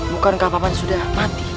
bukankah paman sudah mati